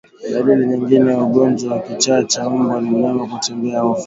Dalili nyingine ya ugonjwa wa kichaa cha mbwa ni mnyama kutembea ovyo